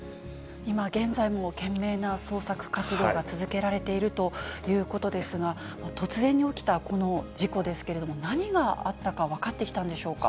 今現在も懸命な捜索活動が続けられているということですが、突然に起きたこの事故ですけれども、何があったか分かってきたんでしょうか。